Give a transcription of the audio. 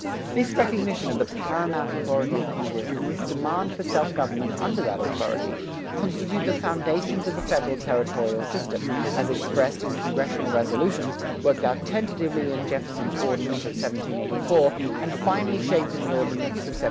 This recognition of the paramount authority of congress and this demand for self government under that authority, constitute the foundations of the federal territorial system, as expressed in congressional resolutions, worked out tentatively in Jefferson's Ordinance of 1784, and finally shaped in the Ordinance of 1787.